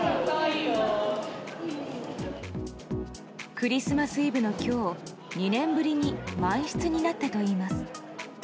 クリスマスイブの今日２年ぶりに満室になったといいます。